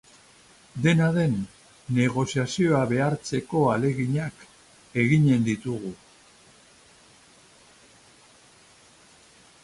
Dena den, negoziazioa behartzeko ahaleginak eginen ditugu.